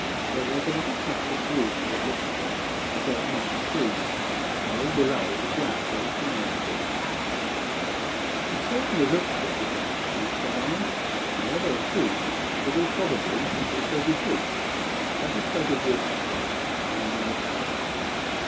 There was a little patch of green that looked as though it might be trees, while all below it was black, where the fire had been. "`It certainly looks very like a clump of trees,' said I; `and where there are trees there will also probably be fruit. Let us take a walk up there and investigate.'